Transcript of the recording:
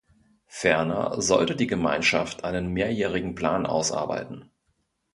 Ferner sollte die Gemeinschaft einen mehrjährigen Plan ausarbeiten.